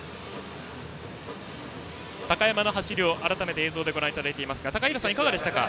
高山の走りを改めてご覧いただいていますが高平さん、いかがでしたか？